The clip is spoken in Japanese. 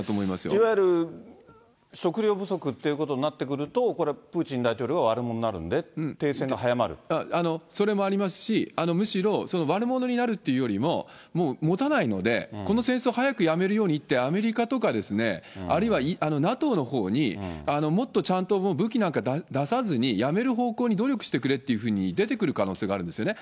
いわゆる、食料不足っていうことになってくると、これ、プーチン大統領が悪それもありますし、むしろ悪者になるというよりも、もうもたないので、この戦争、早くやめるようにって、アメリカとか、あるいはＮＡＴＯのほうに、もっとちゃんと武器なんか出さずに、やめる方向に努力してくれというふうに出てくる可能性があるんですよね。